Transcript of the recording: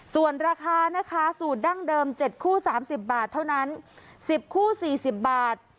ส่วนราคานะคะสูตรดั้งเดิม๗คู่๓๐บาทเท่านั้น๑๐คู่๔๐บาท